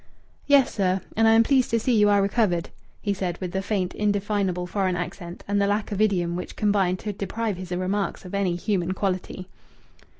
"Yes, sir. And I am pleased to see you are recovered," he said, with the faint, indefinable foreign accent and the lack of idiom which combined to deprive his remarks of any human quality.